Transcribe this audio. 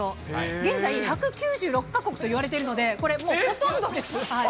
現在１９６か国といわれているので、これ、もうほとんどです。